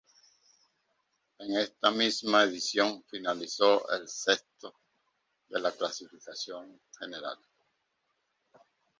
En esta misma edición finalizó el sexto de la clasificación general.